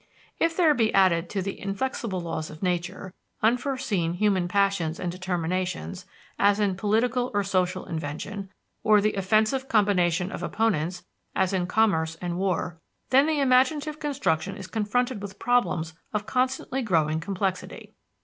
If there be added to the inflexible laws of nature unforeseen human passions and determinations, as in political or social invention, or the offensive combination of opponents, as in commerce and war; then the imaginative construction is confronted with problems of constantly growing complexity.